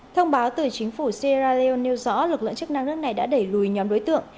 thông báo từ chính phủ sierra leone nêu rõ lực lượng chức năng nước này đã đẩy lùi nhóm đối tượng